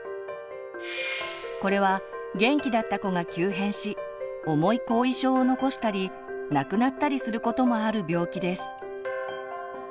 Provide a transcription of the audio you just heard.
これは元気だった子が急変し重い後遺症を残したり亡くなったりすることもある病気です。